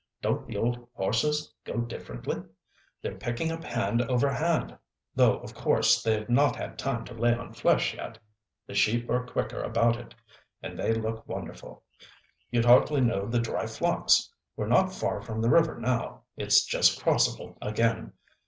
Don't the old horses go differently? They're picking up hand over hand, though of course they've not had time to lay on flesh yet. The sheep are quicker about it, and they look wonderful. You'd hardly know the dry flocks. We're not far from the river, now; it's just crossable again.